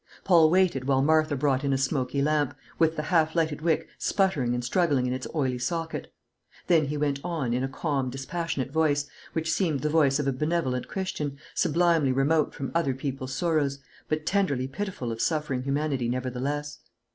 Paul waited while Martha brought in a smoky lamp, with the half lighted wick sputtering and struggling in its oily socket. Then he went on, in a calm, dispassionate voice, which seemed the voice of a benevolent Christian, sublimely remote from other people's sorrows, but tenderly pitiful of suffering humanity, nevertheless.